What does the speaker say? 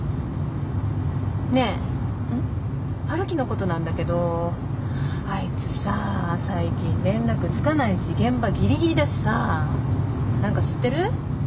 陽樹のことなんだけどあいつさ最近連絡つかないし現場ギリギリだしさ何か知ってる？